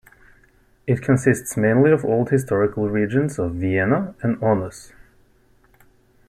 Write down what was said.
It consists mainly of old historical regions of Viena and Aunus.